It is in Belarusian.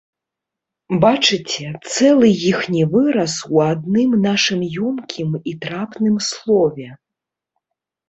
Бачыце, цэлы іхні выраз у адным нашым ёмкім і трапным слове.